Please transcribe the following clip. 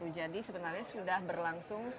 jadi sebenarnya sudah berlangsung